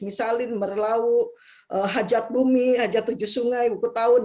misalin merlau hajat bumi hajat tujuh sungai buku tahun